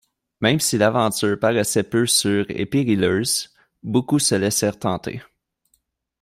Même si l'aventure paraissait peu sûre et périlleuse, beaucoup se laissèrent tenter.